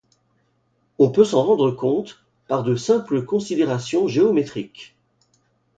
On peut s'en rendre compte par de simples considérations géométriques.